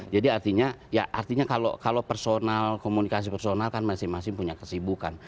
jadi artinya ya artinya kalau personal komunikasi personal kan masing masing punya kesibukan